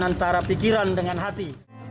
antara pikiran dengan hati